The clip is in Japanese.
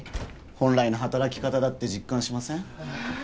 本来の働き方だって実感しません？